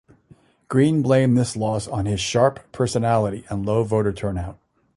Green blamed this loss on his "sharp" personality and low voter turnout.